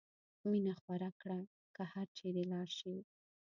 مینه خوره کړه که هر چېرې لاړ شې.